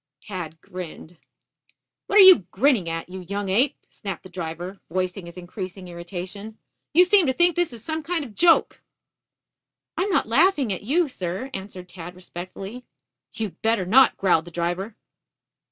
Tad grinned. "What are you grinning at, you young ape?" snapped the driver, voicing his increasing irritation. "You seem to think this is some kind of a joke." "I am not laughing at you, sir," answered Tad respectfully. "You'd better not," growled the driver.